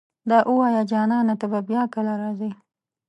دا اووايه جانانه ته به بيا کله راځې